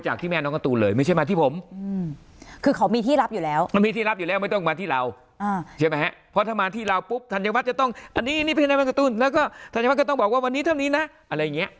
ใช่ไหมฮะเพราะถ้ามาที่เราปุ๊บธัญวัฒน์จะต้องอันนี้นี่เป็นน้ำกระตูนแล้วก็ธัญวัฒน์ก็ต้องบอกว่าวันนี้ทำนี้น่ะอะไรเงี้ย